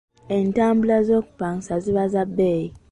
Entambula ez'okupangisa ziba za bbeeyi.